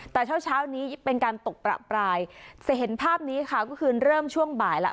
แต่เช้าเช้านี้เป็นการตกประปรายจะเห็นภาพนี้ค่ะก็คือเริ่มช่วงบ่ายแล้ว